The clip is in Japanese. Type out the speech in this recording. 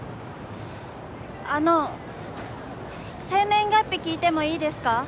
あの生年月日聞いてもいいですか？